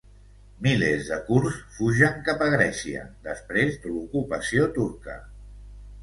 Milers de kurds fugen cap a Grècia després de l'ocupació turca